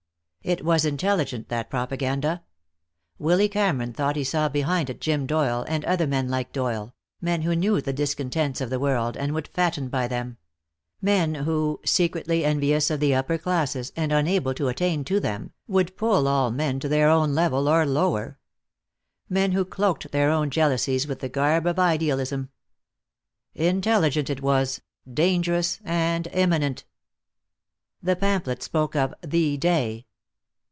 It was intelligent, that propaganda. Willy Cameron thought he saw behind it Jim Doyle and other men like Doyle, men who knew the discontents of the world, and would fatten by them; men who, secretly envious of the upper classes and unable to attain to them, would pull all men to their own level, or lower. Men who cloaked their own jealousies with the garb of idealism. Intelligent it was, dangerous, and imminent. The pamphlets spoke of "the day."